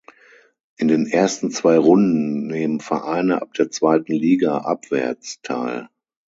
In den ersten zwei Runden nehmen Vereine ab der zweiten Liga abwärts teil.